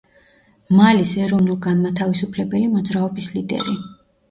მალის ეროვნულ-განმათავისუფლებელი მოძრაობის ლიდერი.